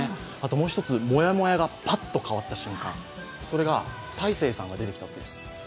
もう一つモヤモヤがパッと変わった瞬間それが大勢さんが出てきたときです。